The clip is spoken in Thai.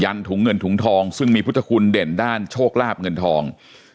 ถุงเงินถุงทองซึ่งมีพุทธคุณเด่นด้านโชคลาบเงินทอง